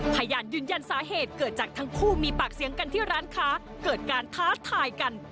พยานยืนยันสาเหตุเกิดจากทั้งคู่มีปากเสียงกันที่ร้านค้าเกิดการท้าทายกัน